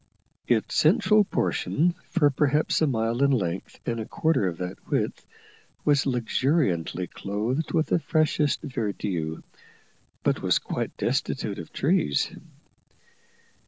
Its central portion, for perhaps a mile in length and a quarter of that width, was luxuriantly clothed with the freshest verdure, but was quite destitute of trees.